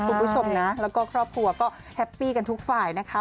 คุณผู้ชมนะแล้วก็ครอบครัวก็แฮปปี้กันทุกฝ่ายนะคะ